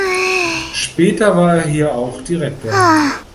Später war er hier auch Direktor.